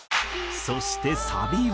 そしてサビは。